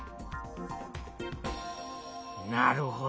なるほど。